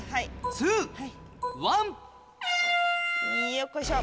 よっこいしょ。